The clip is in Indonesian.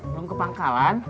belum ke pangkalan